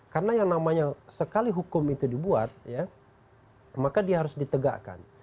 karena yang namanya sekali hukum itu dibuat maka dia harus ditegakkan